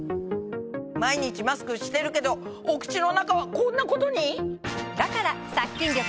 毎日マスクしてるけどお口の中はこんなことに⁉だから。